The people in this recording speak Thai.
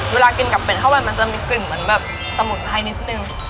เวลากินกับเป็ดเข้าไปมันจะมีกลิ่นเหมือนแบบสมุนไพรนิดนึง